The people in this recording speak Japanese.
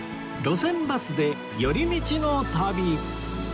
『路線バスで寄り道の旅』